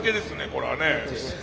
これはね。